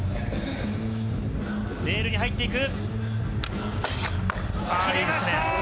レールに入っていく。